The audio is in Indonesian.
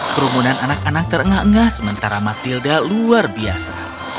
kerumunan anak anak terengah engah sementara matilda luar biasa